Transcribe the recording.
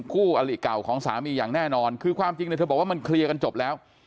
อลิเก่าของสามีอย่างแน่นอนคือความจริงเนี่ยเธอบอกว่ามันเคลียร์กันจบแล้ว